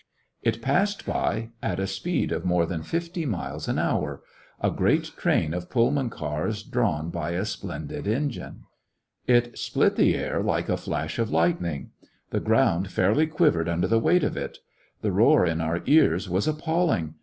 It passed by at a speed of more than fifty miles an hour— a great train of Pullman cars drawn by a splendid engine. It split the air like a flash of lightning. The ground fairly quivered under the weight of it. The roar in our ears was appaUing.